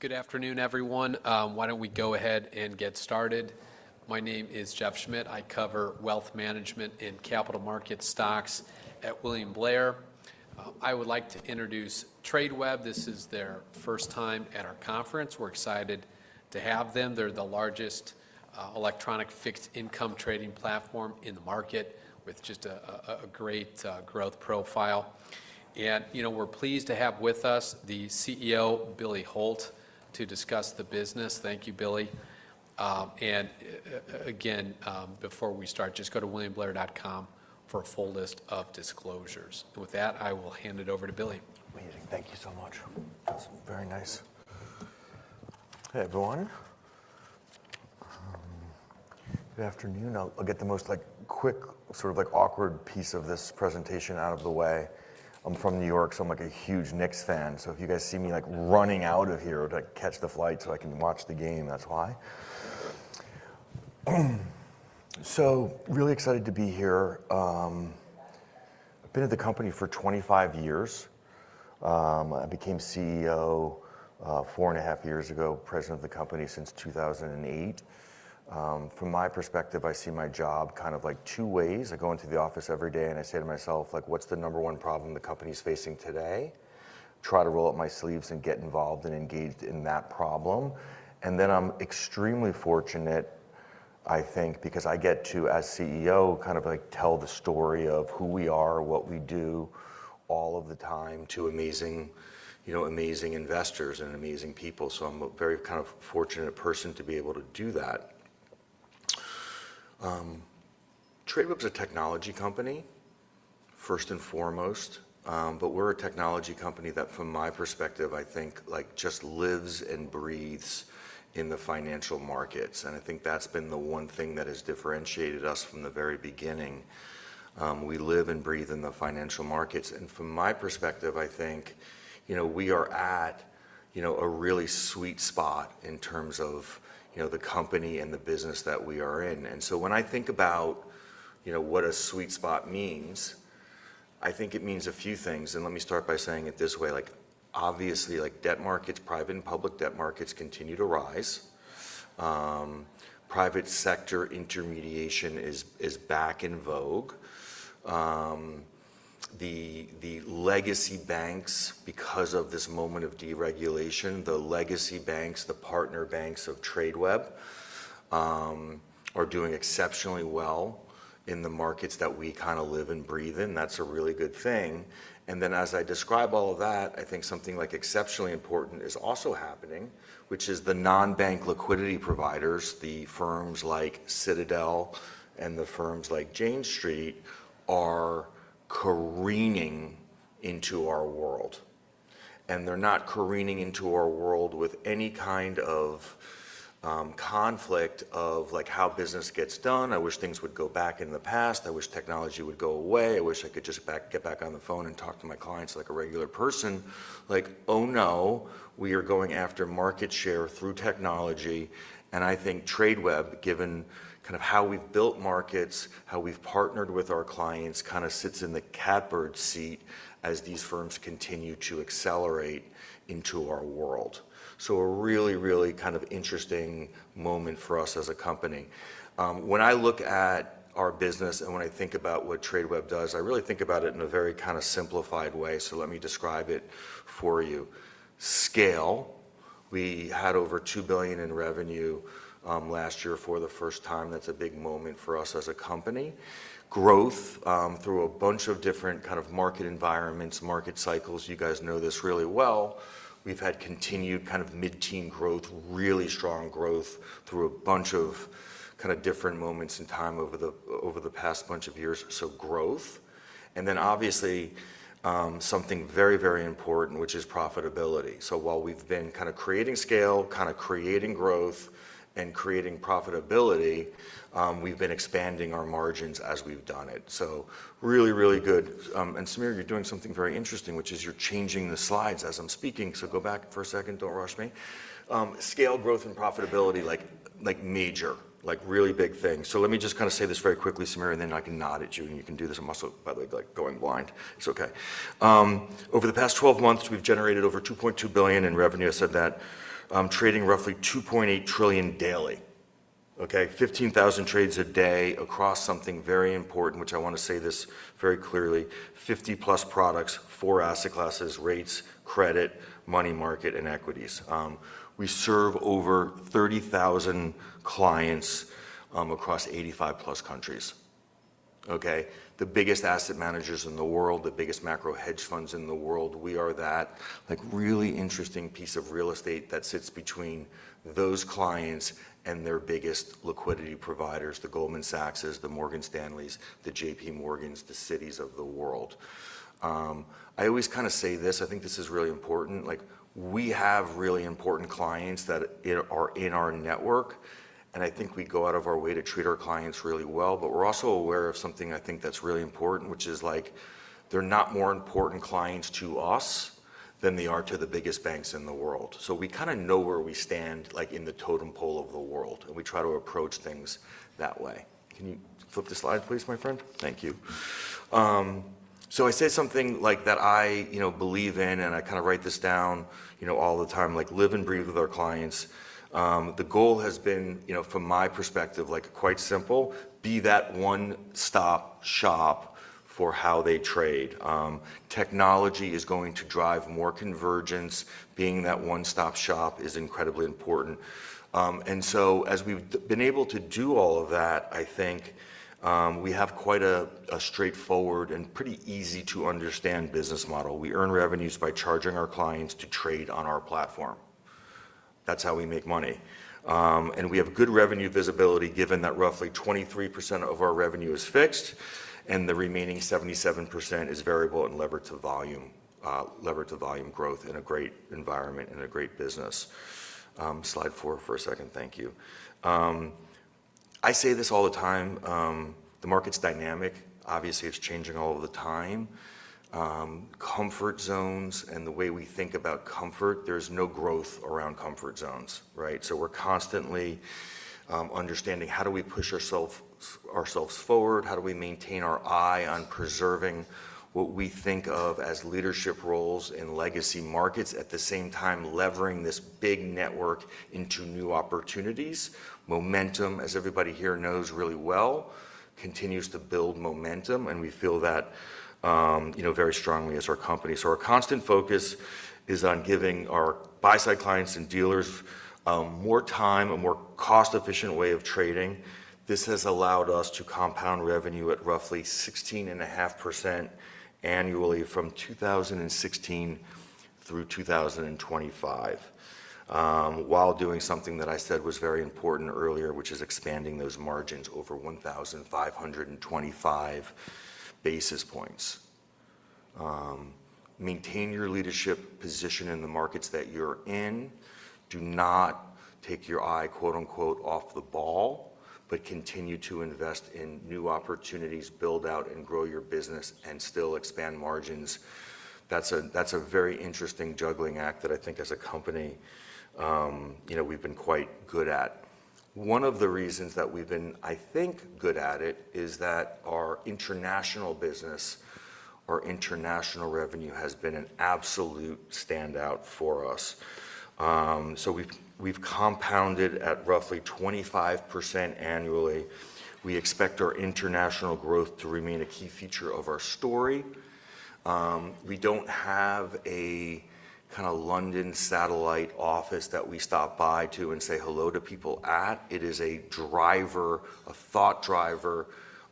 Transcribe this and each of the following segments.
Good afternoon, everyone. Why don't we go ahead and get started? My name is Jeff Schmitt. I cover wealth management in capital market stocks at William Blair. I would like to introduce Tradeweb. This is their first time at our conference. We're excited to have them. They're the largest electronic fixed income trading platform in the market with just a great growth profile. We're pleased to have with us the CEO, Billy Hult, to discuss the business. Thank you, Billy. Again, before we start, just go to williamblair.com for a full list of disclosures. With that, I will hand it over to Billy. Amazing. Thank you so much. That's very nice. Hey, everyone. Good afternoon. I'll get the most quick, sort of awkward piece of this presentation out of the way. I'm from New York, so I'm a huge Knicks fan. If you guys see me running out of here to catch the flight so I can watch the game, that's why. Really excited to be here. I've been at the company for 25 years. I became CEO for three and a half years ago, president of the company since 2008. From my perspective, I see my job kind of two ways. I go into the office every day and I say to myself, "What's the number one problem the company's facing today?" Try to roll up my sleeves and get involved and engaged in that problem. I'm extremely fortunate, I think, because I get to, as CEO, kind of tell the story of who we are, what we do all of the time to amazing investors and amazing people. I'm a very fortunate person to be able to do that. Tradeweb Markets is a technology company first and foremost, but we're a technology company that from my perspective, I think just lives and breathes in the financial markets, and I think that's been the one thing that has differentiated us from the very beginning. We live and breathe in the financial markets. From my perspective, I think we are at a really sweet spot in terms of the company and the business that we are in. When I think about what a sweet spot means, I think it means a few things, and let me start by saying it this way. Obviously, debt markets, private and public debt markets continue to rise. Private sector intermediation is back in vogue. The legacy banks, because of this moment of deregulation, the legacy banks, the partner banks of Tradeweb, are doing exceptionally well in the markets that we kind of live and breathe in. That's a really good thing. Then as I describe all of that, I think something exceptionally important is also happening, which is the non-bank liquidity providers, the firms like Citadel and the firms like Jane Street are careening into our world, and they're not careening into our world with any kind of conflict of how business gets done, I wish things would go back in the past, I wish technology would go away, I wish I could just get back on the phone and talk to my clients like a regular person. Like, oh, no, we are going after market share through technology, and I think Tradeweb, given how we've built markets, how we've partnered with our clients, kind of sits in the catbird seat as these firms continue to accelerate into our world. A really, really interesting moment for us as a company. When I look at our business and when I think about what Tradeweb does, I really think about it in a very simplified way, so let me describe it for you. Scale. We had over $2 billion in revenue last year for the first time. That's a big moment for us as a company. Growth through a bunch of different kind of market environments, market cycles. You guys know this really well. We've had continued mid-teen growth, really strong growth through a bunch of different moments in time over the past bunch of years. Growth, and then obviously, something very, very important, which is profitability. While we've been creating scale, creating growth, and creating profitability, we've been expanding our margins as we've done it. Really, really good. Sameer, you're doing something very interesting, which is you're changing the slides as I'm speaking, so go back for a second. Don't rush me. Scale, growth, and profitability, major, really big things. Let me just say this very quickly, Sameer, and then I can nod at you, and you can do this. I'm also, by the way, going blind. It's okay. Over the past 12 months, we've generated over $2.2 billion in revenue. I said that. Trading roughly $2.8 trillion daily. Okay. 15,000 trades a day across something very important, which I want to say this very clearly, 50+ products, four asset classes, rates, credit, money market, and equities. We serve over 30,000 clients across 85+ countries. Okay? The biggest asset managers in the world, the biggest macro hedge funds in the world, we are that really interesting piece of real estate that sits between those clients and their biggest liquidity providers, the Goldman Sachs, the Morgan Stanleys, the JPMorgan, the Citi of the world. I always say this, I think this is really important. We have really important clients that are in our network, and I think we go out of our way to treat our clients really well, but we're also aware of something I think that's really important, which is they're not more important clients to us than they are to the biggest banks in the world. We kind of know where we stand in the totem pole of the world, and we try to approach things that way. Can you flip the slide, please, my friend? Thank you. I say something that I believe in, and I write this down all the time, live and breathe with our clients. The goal has been, from my perspective, quite simple. Be that one-stop shop for how they trade. Technology is going to drive more convergence. Being that one-stop shop is incredibly important. As we've been able to do all of that, I think we have quite a straightforward and pretty easy-to-understand business model. We earn revenues by charging our clients to trade on our platform. That's how we make money. We have good revenue visibility given that roughly 23% of our revenue is fixed and the remaining 77% is variable and levered to volume growth in a great environment and a great business. Slide four for a second. Thank you. I say this all the time. The market's dynamic. Obviously, it's changing all of the time. Comfort zones and the way we think about comfort, there's no growth around comfort zones, right? We're constantly understanding how do we push ourselves forward, how do we maintain our eye on preserving what we think of as leadership roles in legacy markets, at the same time levering this big network into new opportunities. Momentum, as everybody here knows really well, continues to build momentum, and we feel that very strongly as our company. Our constant focus is on giving our buy-side clients and dealers more time, a more cost-efficient way of trading. This has allowed us to compound revenue at roughly 16.5% annually from 2016 through 2025, while doing something that I said was very important earlier, which is expanding those margins over 1,525 basis points. Maintain your leadership position in the markets that you're in. Do not take your eye, quote-unquote, "off the ball," but continue to invest in new opportunities, build out, and grow your business, and still expand margins. That's a very interesting juggling act that I think as a company we've been quite good at. One of the reasons that we've been, I think, good at it is that our international business, our international revenue, has been an absolute standout for us. We've compounded at roughly 25% annually. We expect our international growth to remain a key feature of our story. We don't have a London satellite office that we stop by to and say hello to people at. It is a thought driver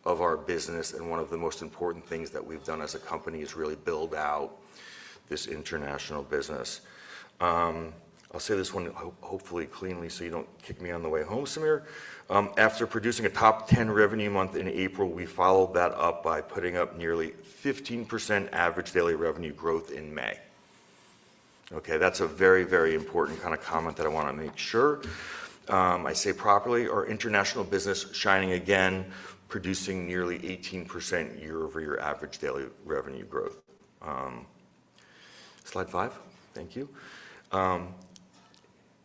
of our business, and one of the most important things that we've done as a company is really build out this international business. I'll say this one hopefully cleanly so you don't kick me on the way home, Sameer. After producing a top 10 revenue month in April, we followed that up by putting up nearly 15% average daily revenue growth in May. Okay, that's a very important comment that I want to make sure I say properly. Our international business shining again, producing nearly 18% year-over-year average daily revenue growth. Slide five. Thank you.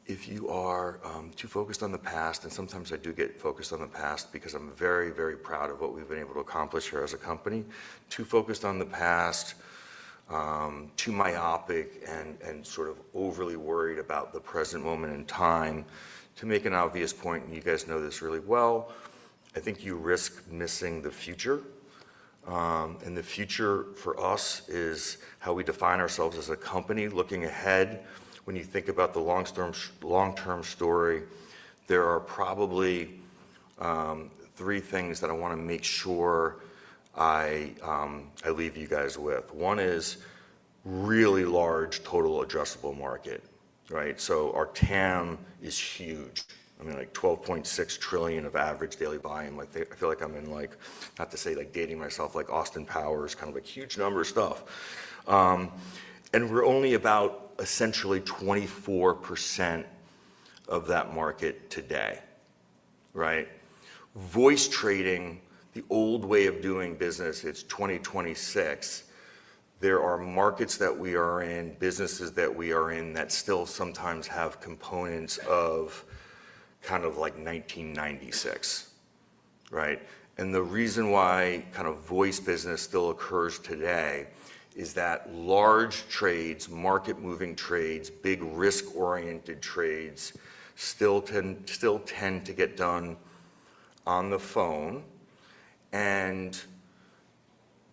If you are too focused on the past, and sometimes I do get focused on the past because I'm very proud of what we've been able to accomplish here as a company. Too focused on the past, too myopic, and sort of overly worried about the present moment in time. To make an obvious point, and you guys know this really well, I think you risk missing the future. The future for us is how we define ourselves as a company looking ahead. When you think about the long-term story, there are probably three things that I want to make sure I leave you guys with. One is really large total addressable market. Right? Our TAM is huge. I mean, like $12.6 trillion of average daily volume. I feel like I'm in, not to say dating myself, like "Austin Powers," kind of like huge number stuff. We're only about essentially 24% of that market today. Right? Voice trading, the old way of doing business, it's 2026. There are markets that we are in, businesses that we are in, that still sometimes have components of 1996, right? The reason why voice business still occurs today is that large trades, market-moving trades, big risk-oriented trades still tend to get done on the phone.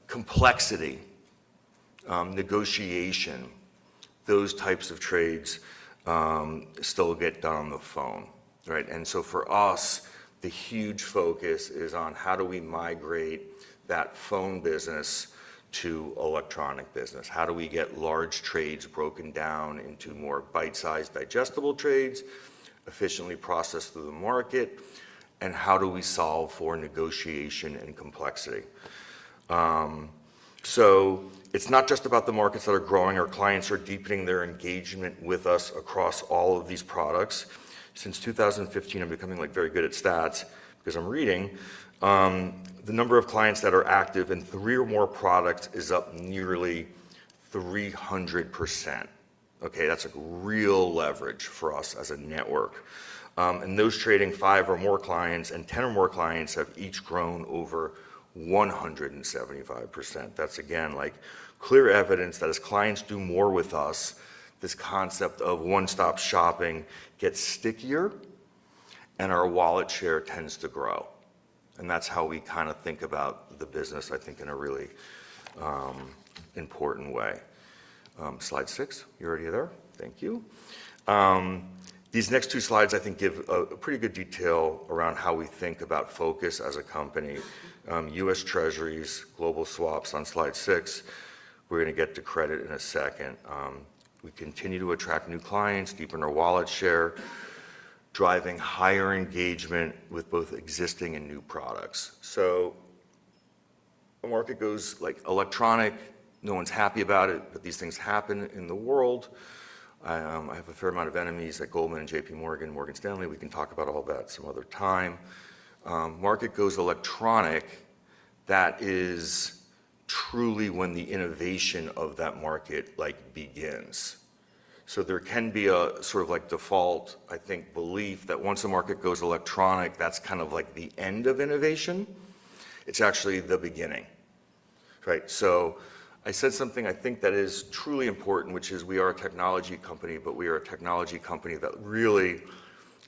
Complexity, negotiation, those types of trades still get done on the phone. Right? For us, the huge focus is on how do we migrate that phone business to electronic business? How do we get large trades broken down into more bite-sized digestible trades, efficiently processed through the market, and how do we solve for negotiation and complexity? It's not just about the markets that are growing. Our clients are deepening their engagement with us across all of these products. Since 2015, I'm becoming very good at stats because I'm reading. The number of clients that are active in three or more products is up nearly 300%. Okay, that's a real leverage for us as a network. Those trading five or more clients and 10 or more clients have each grown over 175%. That's, again, clear evidence that as clients do more with us, this concept of one-stop shopping gets stickier and our wallet share tends to grow. That's how we think about the business, I think, in a really important way. Slide six. You're already there? Thank you. These next two slides, I think, give pretty good detail around how we think about Focus as a company. U.S. Treasuries, global swaps on slide six. We're going to get to credit in a second. We continue to attract new clients, deepen our wallet share, driving higher engagement with both existing and new products. The market goes electronic. No one's happy about it, but these things happen in the world. I have a fair amount of enemies at Goldman, JPMorgan, Morgan Stanley. We can talk about all that some other time. Market goes electronic, that is truly when the innovation of that market begins. There can be a default, I think, belief that once a market goes electronic, that's the end of innovation. It's actually the beginning. Right. I said something I think that is truly important, which is we are a technology company, but we are a technology company that really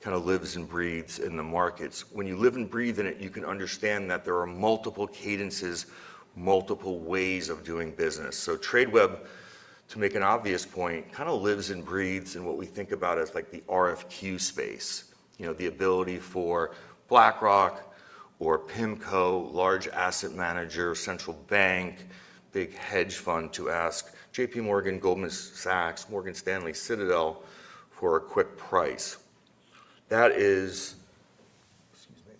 lives and breathes in the markets. When you live and breathe in it, you can understand that there are multiple cadences, multiple ways of doing business. Tradeweb, to make an obvious point, lives and breathes in what we think about as the RFQ space. The ability for BlackRock or PIMCO, large asset manager, central bank, big hedge fund to ask JPMorgan, Goldman Sachs, Morgan Stanley, Citadel for a quick price. That is, excuse me,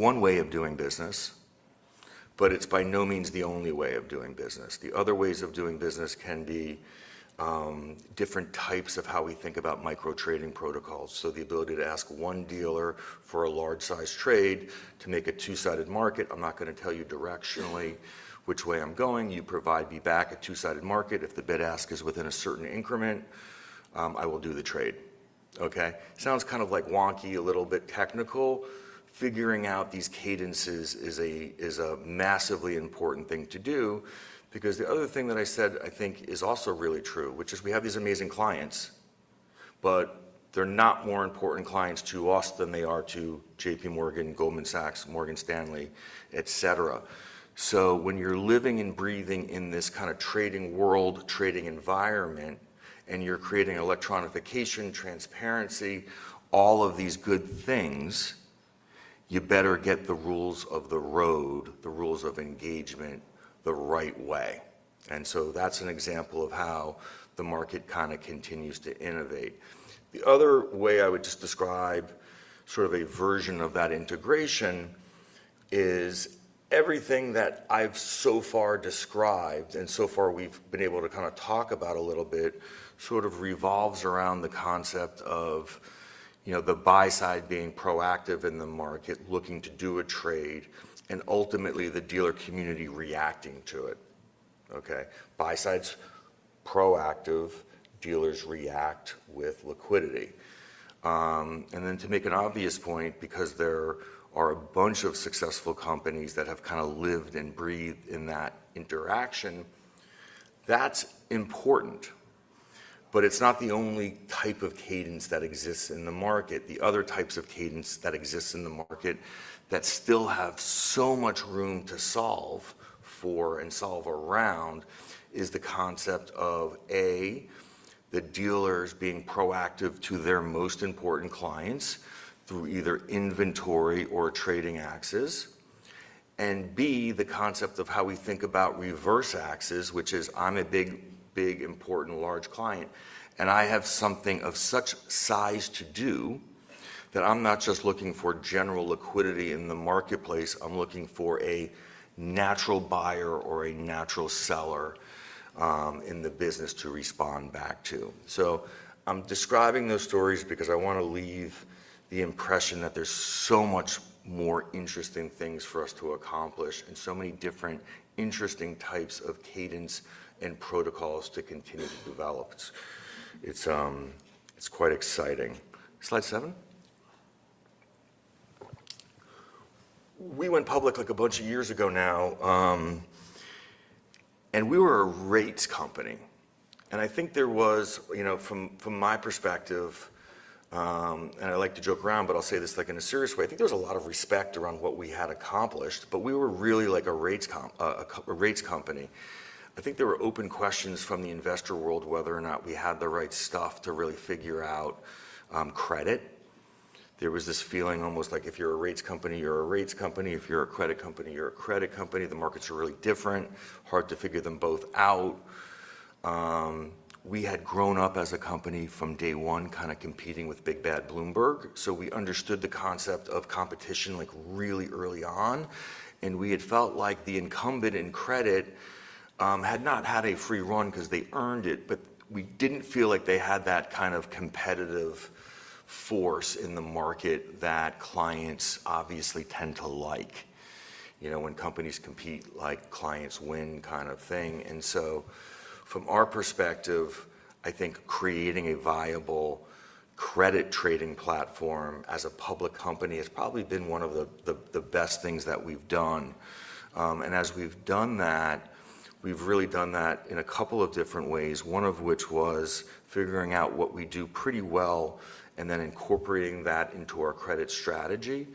one way of doing business, but it's by no means the only way of doing business. The other ways of doing business can be different types of how we think about micro-trading protocols. The ability to ask one dealer for a large-sized trade to make a two-sided market. I'm not going to tell you directionally which way I'm going. You provide me back a two-sided market. If the bid-ask is within a certain increment, I will do the trade. Okay? Sounds kind of wonky, a little bit technical. Figuring out these cadences is a massively important thing to do because the other thing that I said I think is also really true, which is we have these amazing clients, but they're not more important clients to us than they are to JPMorgan, Goldman Sachs, Morgan Stanley, et cetera. When you're living and breathing in this kind of trading world, trading environment, and you're creating electronification, transparency, all of these good things, you better get the rules of the road, the rules of engagement the right way. That's an example of how the market continues to innovate. The other way I would just describe a version of that integration is everything that I've so far described, and so far we've been able to talk about a little bit, revolves around the concept of the buy side being proactive in the market, looking to do a trade, and ultimately the dealer community reacting to it. Okay? Buy side's proactive, dealers react with liquidity. To make an obvious point, because there are a bunch of successful companies that have lived and breathed in that interaction, that's important, but it's not the only type of cadence that exists in the market. The other types of cadence that exist in the market that still have so much room to solve for and solve around is the concept of, A, the dealers being proactive to their most important clients through either inventory or trading axes. B, the concept of how we think about reverse axes, which is I'm a big, important, large client, and I have something of such size to do that I'm not just looking for general liquidity in the marketplace, I'm looking for a natural buyer or a natural seller in the business to respond back to. I'm describing those stories because I want to leave the impression that there's so much more interesting things for us to accomplish and so many different interesting types of cadence and protocols to continue to develop. It's quite exciting. Slide seven. We went public a bunch of years ago now, and we were a rates company. I think there was, from my perspective, and I like to joke around, but I'll say this in a serious way, I think there was a lot of respect around what we had accomplished, but we were really a rates company. I think there were open questions from the investor world whether or not we had the right stuff to really figure out credit. There was this feeling almost like if you're a rates company, you're a rates company. If you're a credit company, you're a credit company. The markets are really different, hard to figure them both out. We had grown up as a company from day one, kind of competing with big, bad Bloomberg, so we understood the concept of competition really early on, and we had felt like the incumbent in credit had not had a free run because they earned it, but we didn't feel like they had that kind of competitive force in the market that clients obviously tend to like. When companies compete, clients win kind of thing. From our perspective, I think creating a viable credit trading platform as a public company has probably been one of the best things that we've done. As we've done that, we've really done that in a couple of different ways, one of which was figuring out what we do pretty well and then incorporating that into our credit strategy.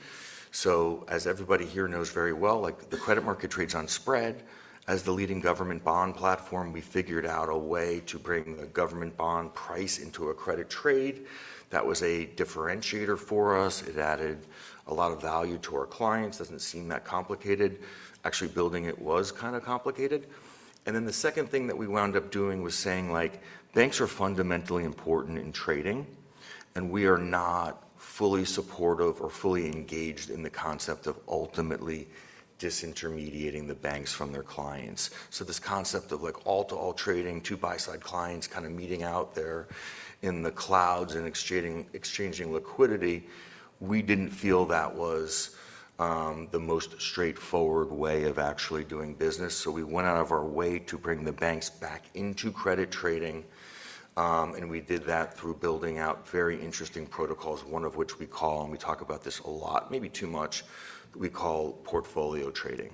As everybody here knows very well, the credit market trades on spread. As the leading government bond platform, we figured out a way to bring a government bond price into a credit trade. That was a differentiator for us. It added a lot of value to our clients. Doesn't seem that complicated. Actually building it was kind of complicated. The second thing that we wound up doing was saying, "Banks are fundamentally important in trading, and we are not fully supportive or fully engaged in the concept of ultimately disintermediating the banks from their clients." This concept of all-to-all trading, two buy side clients kind of meeting out there in the clouds and exchanging liquidity, we didn't feel that was the most straightforward way of actually doing business. We went out of our way to bring the banks back into credit trading, and we did that through building out very interesting protocols, one of which we call, and we talk about this a lot, maybe too much, we call portfolio trading.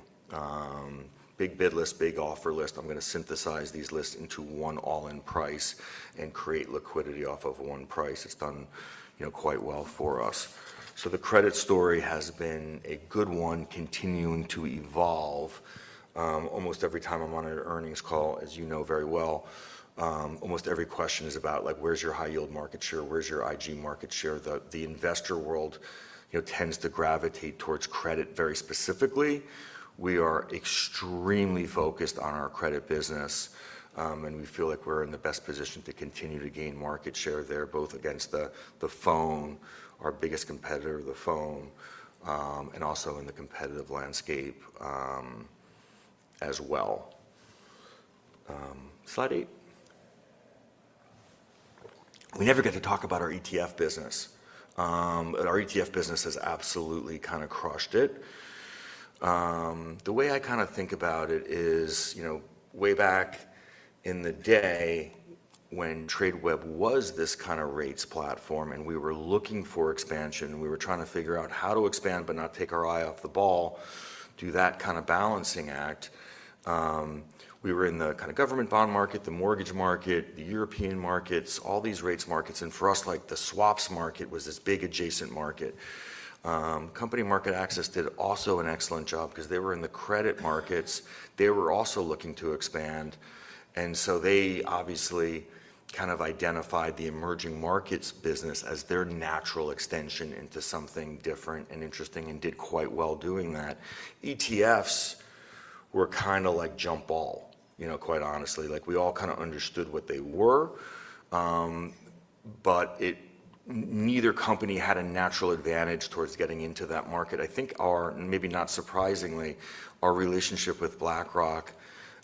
Big bid list, big offer list. I'm going to synthesize these lists into one all-in price and create liquidity off of one price. It's done quite well for us. The credit story has been a good one, continuing to evolve. Almost every time I'm on an earnings call, as you know very well, almost every question is about, where's your high yield market share? Where's your IG market share? The investor world tends to gravitate towards credit very specifically. We are extremely focused on our credit business, and we feel like we're in the best position to continue to gain market share there, both against the phone, our biggest competitor, the phone, and also in the competitive landscape as well. Slide eight. We never get to talk about our ETF business. Our ETF business has absolutely kind of crushed it. The way I think about it is, way back in the day when Tradeweb was this kind of rates platform and we were looking for expansion and we were trying to figure out how to expand but not take our eye off the ball, do that kind of balancing act, we were in the government bond market, the mortgage market, the European markets, all these rates markets. For us, the swaps market was this big adjacent market. Company MarketAxess did also an excellent job because they were in the credit markets. They were also looking to expand. They obviously identified the emerging markets business as their natural extension into something different and interesting and did quite well doing that. ETFs were kind of like jump ball, quite honestly. We all kind of understood what they were, but neither company had a natural advantage towards getting into that market. I think our, maybe not surprisingly, our relationship with BlackRock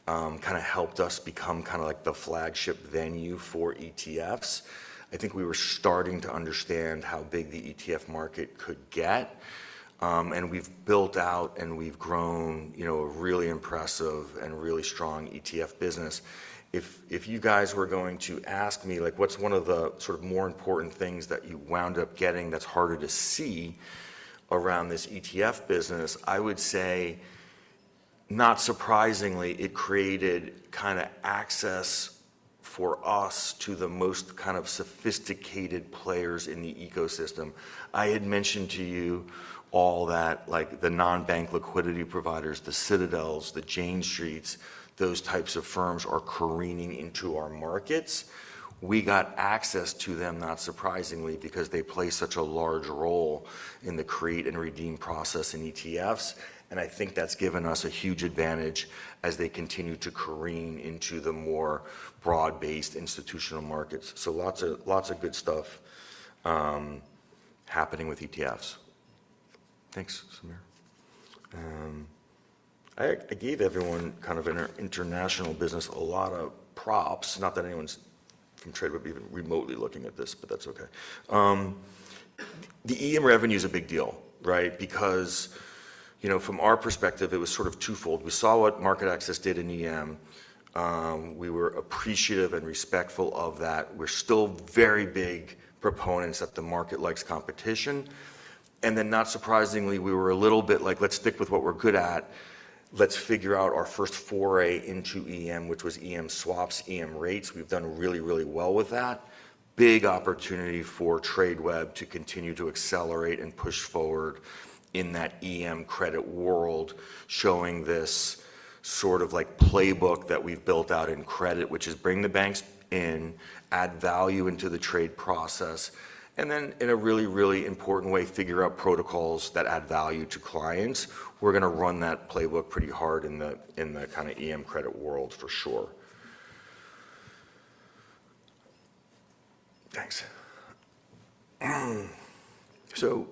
kind of helped us become the flagship venue for ETFs. I think we were starting to understand how big the ETF market could get, and we've built out and we've grown a really impressive and really strong ETF business. If you guys were going to ask me what's one of the more important things that you wound up getting that's harder to see around this ETF business, I would say, not surprisingly, it created access for us to the most sophisticated players in the ecosystem. I had mentioned to you all that the non-bank liquidity providers, the Citadels, the Jane Streets, those types of firms are careening into our markets. We got access to them, not surprisingly, because they play such a large role in the create and redeem process in ETFs, and I think that's given us a huge advantage as they continue to careen into the more broad-based institutional markets. Lots of good stuff happening with ETFs. Thanks, Sameer. I gave everyone in our international business a lot of props. Not that anyone's from Tradeweb even remotely looking at this, but that's okay. The EM revenue's a big deal, right? From our perspective, it was sort of twofold. We saw what MarketAxess did in EM. We were appreciative and respectful of that. We're still very big proponents that the market likes competition. Not surprisingly, we were a little bit like, let's stick with what we're good at. Let's figure out our first foray into EM, which was EM swaps, EM rates. We've done really, really well with that. Big opportunity for Tradeweb to continue to accelerate and push forward in that EM credit world, showing this playbook that we've built out in credit, which is bring the banks in, add value into the trade process, and then in a really, really important way, figure out protocols that add value to clients. We're going to run that playbook pretty hard in the kind of EM credit world for sure. Thanks. First,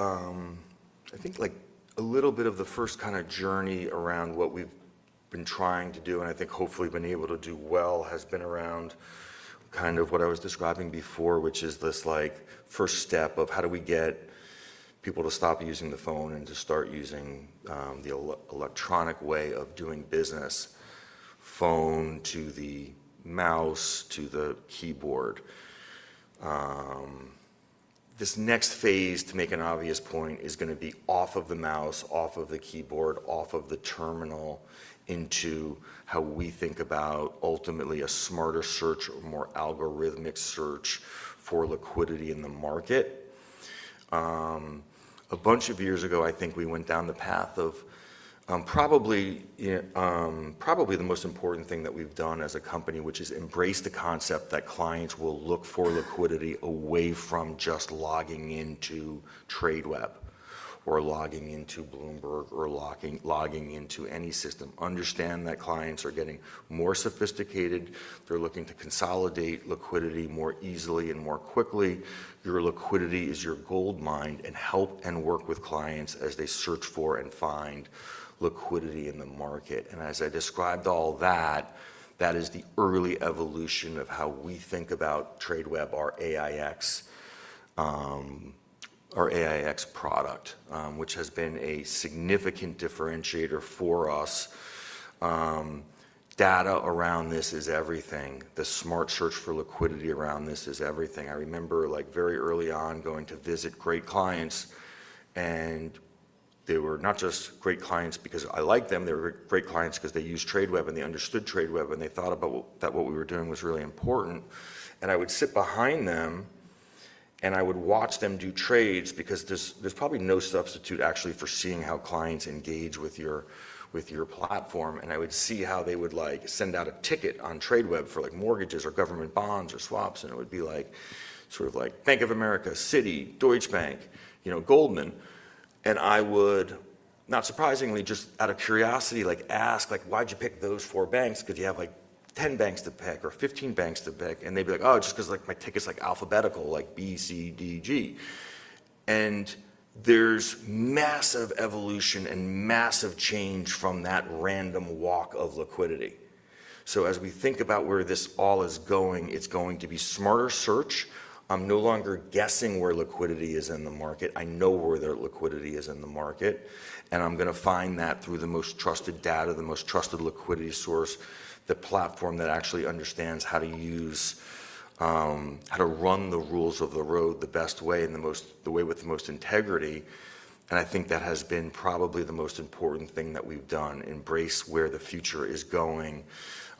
I think a little bit of the first journey around what we've been trying to do, and I think hopefully been able to do well, has been around what I was describing before, which is this first step of how do we get people to stop using the phone and to start using the electronic way of doing business. Phone to the mouse to the keyboard. This next phase, to make an obvious point, is going to be off of the mouse, off of the keyboard, off of the terminal, into how we think about ultimately a smarter search, a more algorithmic search for liquidity in the market. A bunch of years ago, I think we went down the path of probably the most important thing that we've done as a company, which is embrace the concept that clients will look for liquidity away from just logging into Tradeweb or logging into Bloomberg or logging into any system. Understand that clients are getting more sophisticated. They're looking to consolidate liquidity more easily and more quickly. Your liquidity is your goldmine, and help and work with clients as they search for and find liquidity in the market. As I described all that is the early evolution of how we think about Tradeweb, our AiEX product which has been a significant differentiator for us. Data around this is everything. The smart search for liquidity around this is everything. I remember very early on going to visit great clients, and they were not just great clients because I liked them. They were great clients because they used Tradeweb, and they understood Tradeweb, and they thought that what we were doing was really important. I would sit behind them, and I would watch them do trades because there's probably no substitute, actually, for seeing how clients engage with your platform. I would see how they would send out a ticket on Tradeweb for mortgages or government bonds or swaps, and it would be like Bank of America, Citi, Deutsche Bank, Goldman. I would, not surprisingly, just out of curiosity, ask, "Why'd you pick those four banks? Because you have 10 banks to pick or 15 banks to pick." They'd be like, "Oh, just because my ticket's alphabetical, like B, C, D, G." There's massive evolution and massive change from that random walk of liquidity. As we think about where this all is going, it's going to be smarter search. I'm no longer guessing where liquidity is in the market. I know where their liquidity is in the market, and I'm going to find that through the most trusted data, the most trusted liquidity source, the platform that actually understands how to run the rules of the road the best way and the way with the most integrity. I think that has been probably the most important thing that we've done, embrace where the future is going.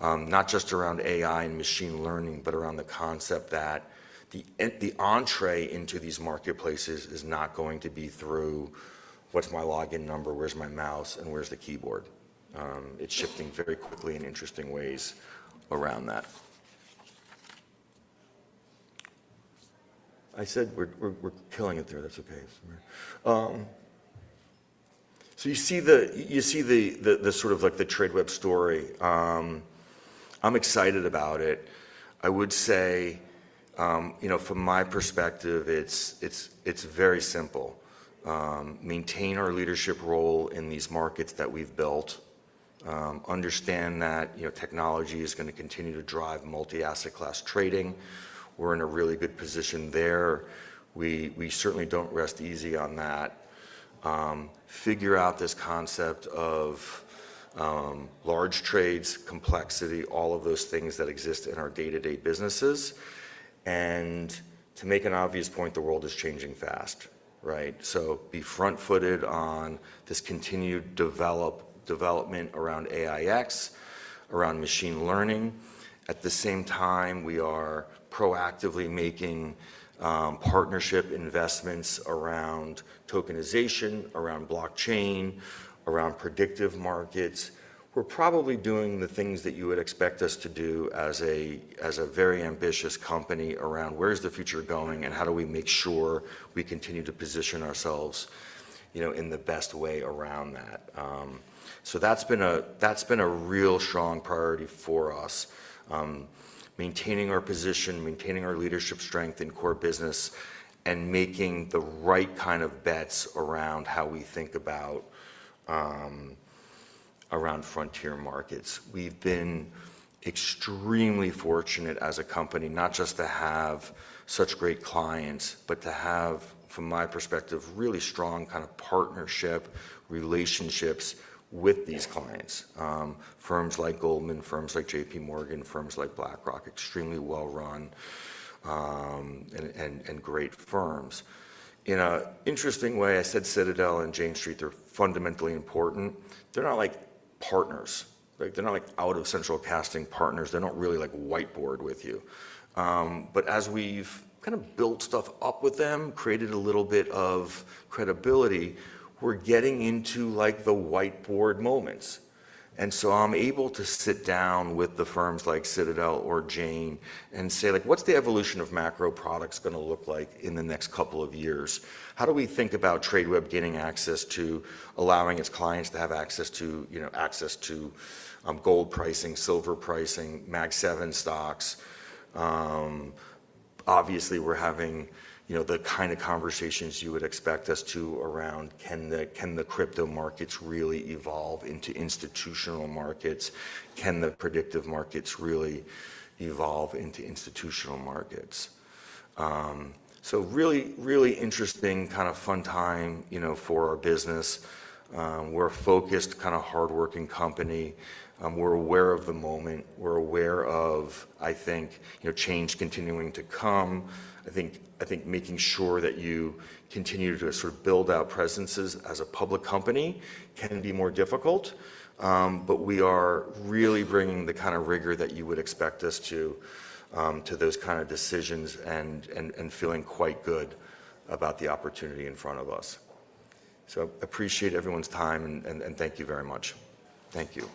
Not just around AI and machine learning, but around the concept that the entrée into these marketplaces is not going to be through what's my login number, where's my mouse, and where's the keyboard? It's shifting very quickly in interesting ways around that. I said we're killing it there. That's okay. You see the Tradeweb story. I'm excited about it. I would say from my perspective, it's very simple. Maintain our leadership role in these markets that we've built. Understand that technology is going to continue to drive multi-asset class trading. We're in a really good position there. We certainly don't rest easy on that. Figure out this concept of large trades, complexity, all of those things that exist in our day-to-day businesses. To make an obvious point, the world is changing fast, right? Be front-footed on this continued development around AiEX, around machine learning. At the same time, we are proactively making partnership investments around tokenization, around blockchain, around prediction markets. We're probably doing the things that you would expect us to do as a very ambitious company around where is the future going, and how do we make sure we continue to position ourselves in the best way around that. That's been a real strong priority for us, maintaining our position, maintaining our leadership strength in core business, and making the right kind of bets around how we think about around frontier markets. We've been extremely fortunate as a company, not just to have such great clients, but to have, from my perspective, really strong partnership relationships with these clients. Firms like Goldman, firms like JPMorgan, firms like BlackRock, extremely well-run and great firms. In an interesting way, I said Citadel and Jane Street are fundamentally important. They're not partners. They're not out-of-central-casting partners. They don't really whiteboard with you. As we've built stuff up with them, created a little bit of credibility, we're getting into the whiteboard moments. I'm able to sit down with the firms like Citadel or Jane and say, "What's the evolution of macro products going to look like in the next couple of years? How do we think about Tradeweb getting access to allowing its clients to have access to gold pricing, silver pricing, Mag Seven stocks?" Obviously, we're having the kind of conversations you would expect us to around can the crypto markets really evolve into institutional markets. Can the prediction markets really evolve into institutional markets? Really interesting, kind of fun time for our business. We're a focused, hardworking company. We're aware of the moment. We're aware of, I think, change continuing to come. I think making sure that you continue to build out presences as a public company can be more difficult, but we are really bringing the kind of rigor that you would expect us to those kind of decisions and feeling quite good about the opportunity in front of us. I appreciate everyone's time, and thank you very much. Thank you